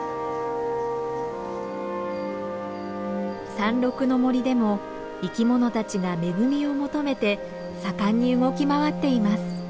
山麓の森でも生き物たちが恵みを求めて盛んに動き回っています。